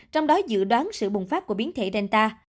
trong đó dự đoán sự bùng phát của biến thể delta